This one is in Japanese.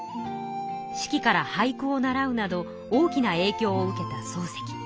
子規から俳句を習うなど大きな影響を受けた漱石。